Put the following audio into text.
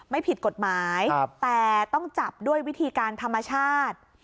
ไม่ผิดกฎหมายแต่ต้องจับด้วยวิธีการธรรมชาติ